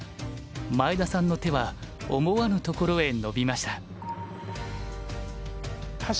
前田さんの手は思わぬところへ伸びました。